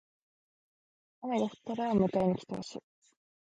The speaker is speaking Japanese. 雨が降ったら迎えに来てほしい。